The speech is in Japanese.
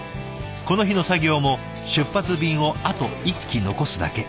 この日の作業も出発便をあと１機残すだけ。